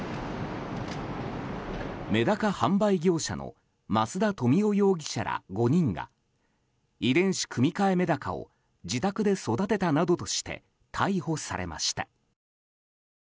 メダカ販売業者の増田富男容疑者ら５人が遺伝子組み換えメダカを自宅で育てたなどとして逮捕されました。